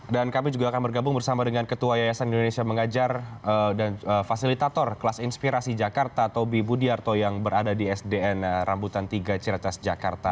dan kami juga akan bergabung bersama dengan ketua yayasan indonesia mengajar dan fasilitator kelas inspirasi jakarta tobi budiarto yang berada di sdn rambutan tiga cirecas jakarta